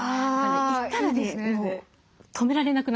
行ったらねもう止められなくなりますね。